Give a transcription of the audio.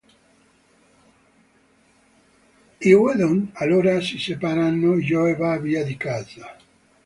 I Whedon allora si separano e Joe va via di casa.